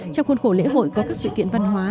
trong khuôn khổ lễ hội có các sự kiện văn hóa